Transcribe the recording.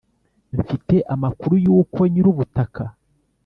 mfite amakuru yuko nyirubutaka